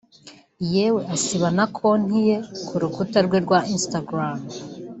yewe asiba na konti ye ku rukuta rwe rwa Instagram